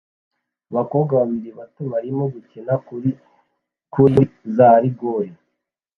Abakobwa babiri bato barimo gukina kuri kuri za rigore